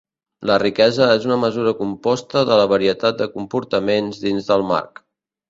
La riquesa és una mesura composta de la varietat de comportaments dins del marc.